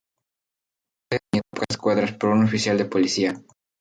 El autor fue detenido a pocas cuadras por un oficial de policía.